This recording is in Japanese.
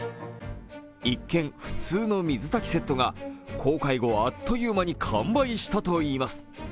一見、普通の水炊きセットが公開後あっという間に完売したといいます。